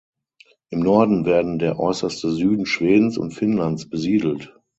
Im Norden werden der äußerste Süden Schwedens und Finnlands besiedelt.